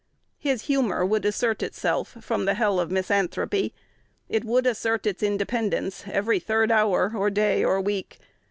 His humor would assert itself from the hell of misanthropy: it would assert its independence every third hour or day or week.